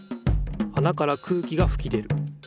あなから空気がふき出る。